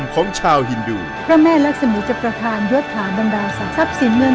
ขอบคุณครับ